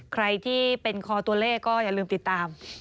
ใครที่เป็นคอตัวเลขก็อย่าลืมติดตาม